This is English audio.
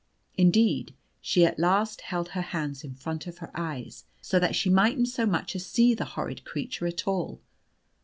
Indeed, she at last held her hands in front of her eyes, that she mightn't so much as see the little horrid creature at all.